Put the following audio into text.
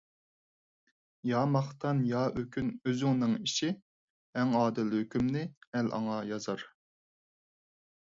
يا ماختان، يا ئۆكۈن ئۆزۈڭنىڭ ئىشى، ئەڭ ئادىل ھۆكۈمنى ئەل ئاڭا يازار.